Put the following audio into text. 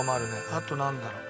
あとなんだろう？